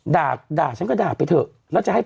ด่าด่าฉันก็ด่าไปเถอะ